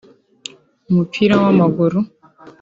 umupira w’amaguru